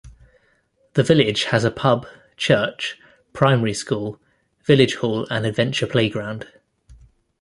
The village has a pub, church, primary school, village hall and adventure playground.